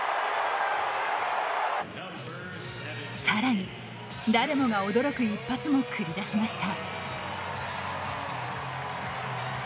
さらに誰もが驚く一発も繰り出しました。